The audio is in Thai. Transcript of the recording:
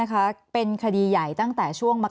แอนตาซินเยลโรคกระเพาะอาหารท้องอืดจุกเสียดแสบร้อน